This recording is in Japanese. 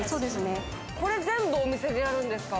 これ全部お店でやるんですか？